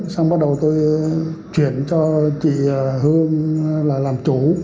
xong bắt đầu tôi chuyển cho chị hương là làm chủ